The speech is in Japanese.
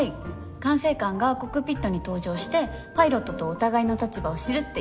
管制官がコックピットに搭乗してパイロットとお互いの立場を知るっていう。